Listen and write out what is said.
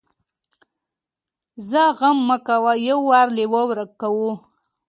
ځه غم مه کوه يو وار لېوه ورک کو.